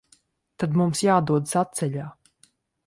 Tad mums jādodas atceļā.